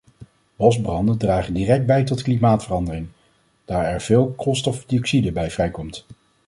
Bosbranden dragen direct bij tot klimaatverandering, daar er veel koolstofdioxide bij vrijkomt.